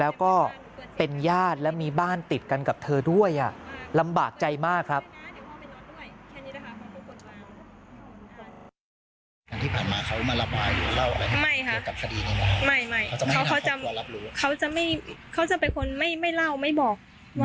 ว่าเขาคิดว่าเขาจะทำอะไรเลยเขาไม่ได้บอก